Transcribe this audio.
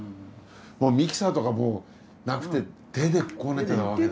ミキサーとかもうなくて手でこねてたわけだ。